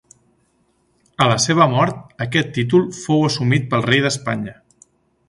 A la seva mort, aquest títol fou assumit pel rei d'Espanya.